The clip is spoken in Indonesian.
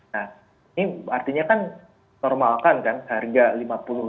nah ini artinya kan normalkan kan harga listrik